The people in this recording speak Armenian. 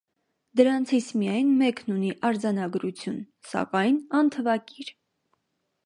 Դրանցից միայն մեկն ունի արձանագրություն, սակայն անթվակիր։